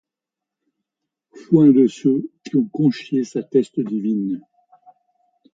Foing de ceulx qui ont conchié sa teste divine!